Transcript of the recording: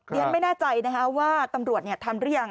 ฉันไม่แน่ใจว่าตำรวจทำหรือยัง